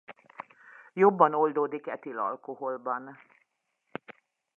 Jobban oldódik etil-alkoholban.